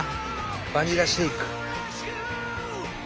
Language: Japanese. バニラシェイク。